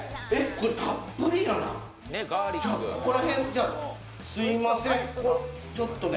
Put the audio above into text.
たっぷりだな、ここら辺、すいません。